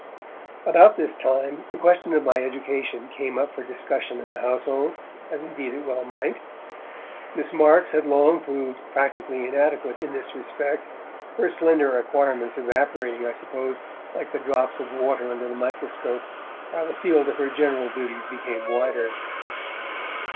About this time, the question of my education came up for discussion in the household, as indeed it well might. Miss Marks had long proved practically inadequate in this respect, her slender acquirements evaporating, I suppose, like the drops of water under the microscope, while the field of her general duties became wider.